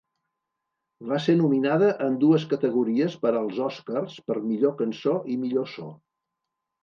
Va ser nominada en dues categories per als Òscars per millor cançó i millor so.